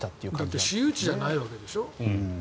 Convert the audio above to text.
だって私有地じゃないわけですよ。